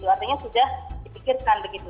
artinya sudah dipikirkan begitu